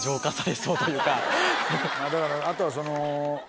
だからあとはその。